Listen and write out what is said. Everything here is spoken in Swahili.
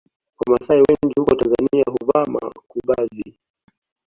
Wamasai wengi huko Tanzania huvaa makubazi